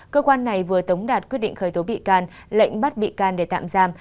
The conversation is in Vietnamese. cơ quan này vừa tống đạt quyết định khởi tố bị can lệnh bắt bị can để tạm giam